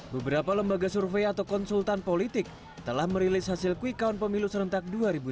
beberapa lembaga survei atau konsultan politik telah merilis hasil quick count pemilu serentak dua ribu sembilan belas